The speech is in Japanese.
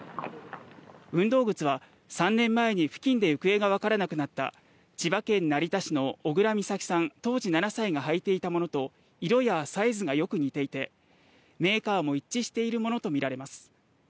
運動靴は３年前に付近で行方がわからなくなった千葉県成田市の小倉美咲さん、当時７歳が履いていたものと、色やサイズがよく似ていて、メ−カーも一致しているものとみられます。